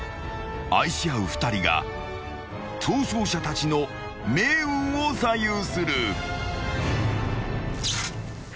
［愛し合う２人が逃走者たちの命運を左右する］